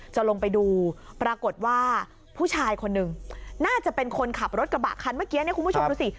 จะลงไปดูปรากฏว่าผู้ชายคนหนึ่งน่าจะเป็นคนขับรถกระบะคันเมื่อกี้เนี่ยคุณผู้ชมดูสิ